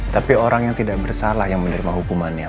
tapi orang yang tidak bersalah yang menerima hukumannya